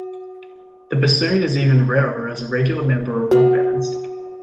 The bassoon is even rarer as a regular member of rock bands.